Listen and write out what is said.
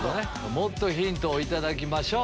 もっとヒントを頂きましょう。